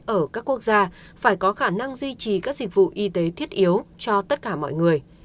ở các quốc gia phải có khả năng duy trì các dịch vụ y tế thiết yếu cho tất cả mọi người